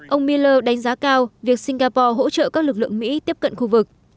ông mueller đánh giá cao việc singapore hỗ trợ các lực lượng mỹ tiếp cận khu vực